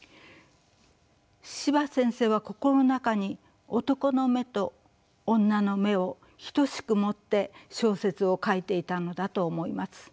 司馬先生は心の中に男の眼と女の眼を等しく持って小説を書いていたのだと思います。